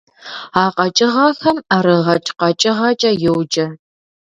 А къэкӀыгъэхэм ӀэрыгъэкӀ къэкӀыгъэкӀэ йоджэ.